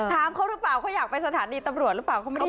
ถามเขาหรือเปล่าเขาอยากไปสถานีตำรวจหรือเปล่าเขาไม่รู้